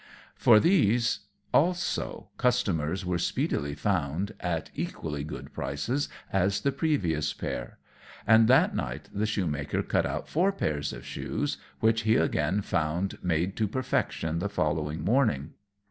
For these, also, customers were speedily found, at equally good prices as the previous pair; and that night the Shoemaker cut out four pairs of shoes, which he again found made to perfection the following morning.